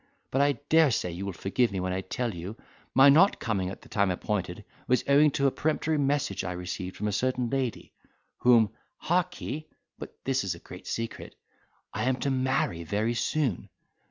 But I dare say you will forgive me when I tell you, my not coming at the time appointed was owing to a peremptory message I received from a certain lady, whom, harkee! (but this is a great secret) I am to marry very soon.